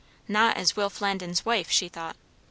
Not as Will Flandin's wife, she thought!